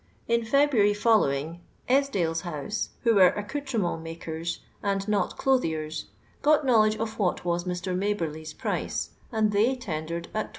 In February following, Esdailes' house, who were accoutrement makers, and not clothiers, got knowledge of what was Mr. Maberly's price, and fAey tendered at \2s.